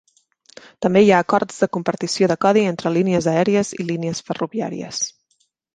També hi ha acords de compartició de codi entre línies aèries i línies ferroviàries.